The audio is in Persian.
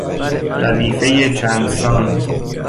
ردیفهی چندسان